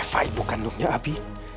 reva ibu kandungnya abi